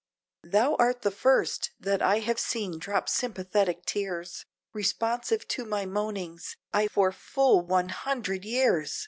Thou art the first, that I have seen drop sympathetic tears, Responsive to my moanings, aye for full one hundred years!